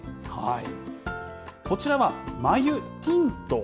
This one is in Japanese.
こちらは、眉ティント。